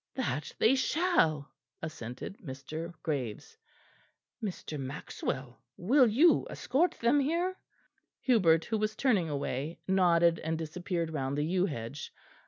"That they shall," assented Mr. Graves. "Mr. Maxwell, will you escort them here?" Hubert, who was turning away, nodded and disappeared round the yew hedge.